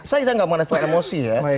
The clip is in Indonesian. saya nggak mengenai emosi ya